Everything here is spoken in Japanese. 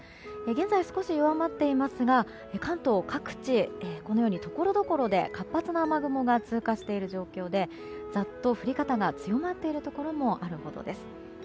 現在、少し弱まっていますが関東各地、ところどころで活発な雨雲が通過している状況でざっと降り方が強まっているところもあるほどです。